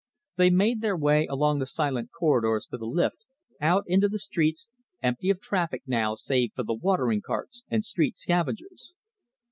They made their way along the silent corridors to the lift, out into the streets, empty of traffic now save for the watering carts and street scavengers.